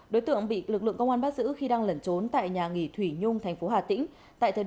đối tượng bị lực lượng công an bắt giữ khi đang lẩn trốn tại nhà nghỉ thủy nhung thành phố hà tĩnh